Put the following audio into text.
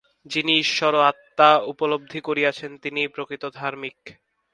যিনি ঈশ্বর ও আত্মা উপলব্ধি করিয়াছেন, তিনিই প্রকৃত ধার্মিক।